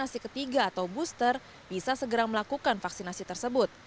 vaksinasi ketiga atau booster bisa segera melakukan vaksinasi tersebut